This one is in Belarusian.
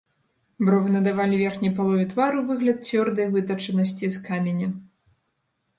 Бровы надавалі верхняй палове твару выгляд цвёрдай вытачанасці з каменя.